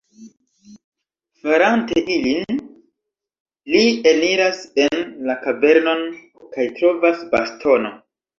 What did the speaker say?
Farante ilin, li eniras en la kavernon kaj trovas bastono.